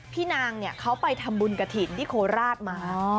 พี่นางเขาไปทำบุญกระถิ่นที่โคราชมา